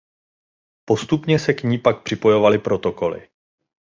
Postupně se k ní pak připojovaly protokoly.